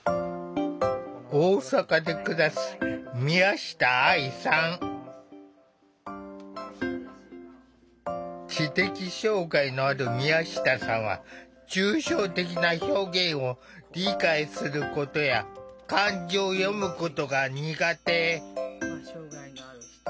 大阪で暮らす知的障害のある宮下さんは抽象的な表現を理解することや漢字を読むことが苦手。